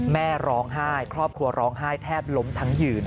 แม่ร้องไห้ครอบครัวร้องไห้แทบล้มทั้งยืน